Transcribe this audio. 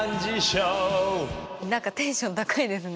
何かテンション高いですね。